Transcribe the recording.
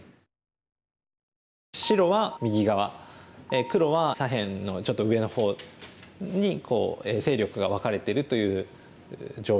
白は右側黒は左辺のちょっと上の方に勢力が分かれてるという状況です。